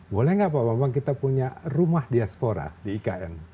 boleh nggak pak bambang kita punya rumah diaspora di ikn